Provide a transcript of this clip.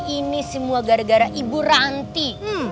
ini semua gara gara ibu ranti